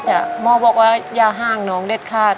หมอบอกว่ายาห้างน้องเด็ดขาด